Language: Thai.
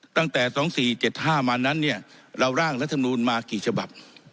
ตั้งแต่๒๔๗๕มานั้นเนี่ยเราร่างรัฐมนูลมากี่ฉบับ